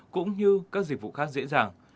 cũng như các dịch vụ khác dễ dàng